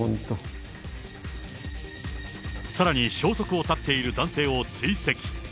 さらに消息を絶っている男性